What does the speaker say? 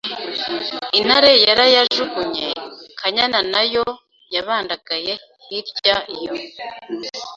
Intare yarayajugunye, kajyana na yo kabandagara hirya iyo